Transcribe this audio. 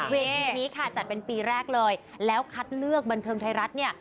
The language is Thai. เวทีนี้ค่ะจัดเป็นปีแรกเลยแล้วคัดเลือกบันเทิงไทยรัฐเนี่ย